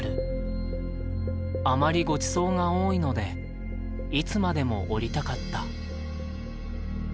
あまりご馳走が多いのでいつまでも居りたかった」。